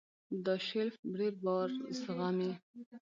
دا شیلف ډېر بار زغمي.